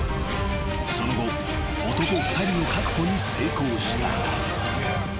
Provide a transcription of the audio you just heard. ［その後男２人の確保に成功した］